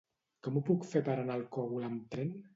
Com ho puc fer per anar al Cogul amb tren?